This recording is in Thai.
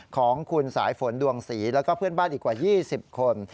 ของคุณสายฝนดวงศรีแล้วก็เพื่อนบ้านอีกกว่า๒๐คน